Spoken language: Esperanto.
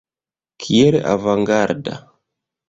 Kiel avangarda!